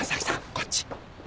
こっち。